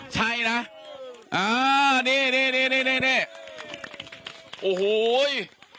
ใช่นะอ่านี่นี่นี่นี่นี่นี่โอ้โห้ย